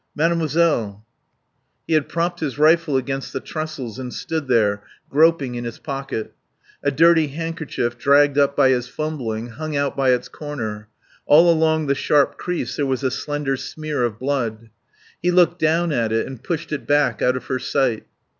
"Mademoiselle " He had propped his rifle against the trestles and stood there, groping in his pocket. A dirty handkerchief, dragged up by his fumbling, hung out by its corner. All along the sharp crease there was a slender smear of blood. He looked down at it and pushed it back out of her sight.